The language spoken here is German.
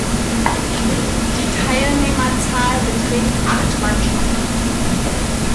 Die Teilnehmerzahl beträgt acht Mannschaften.